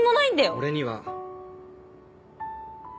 俺には。